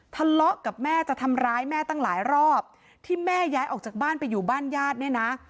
ทะเลาะกับแม่จะทำร้ายแม่ตั้งหลายรอบที่แม่ย้ายออกจากบ้านไปอยู่บ้านญาติเนี่ยนะ